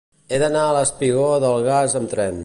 He d'anar al espigó del Gas amb tren.